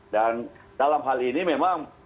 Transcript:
dan dalam hal ini memang